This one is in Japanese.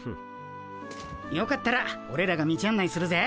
よかったらオレらが道あん内するぜ。